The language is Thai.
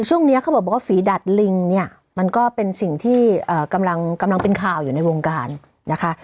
ช่วงนี้เขาบอกว่าฝีดัดลิงเนี่ยมันก็เป็นสิ่งที่กำลังเป็นข่าวอยู่ในวงการนะคะ